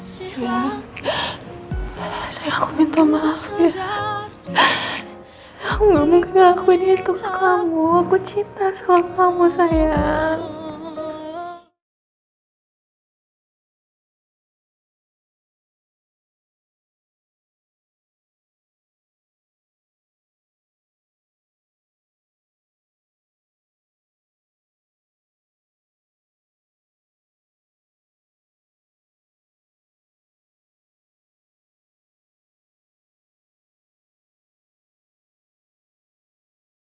sayang aku minta maaf ya aku ngomong ngomong aku ini untuk kamu aku cinta selalu kamu sayang